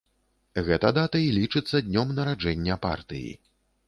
Гэта дата і лічыцца днём нараджэння партыі.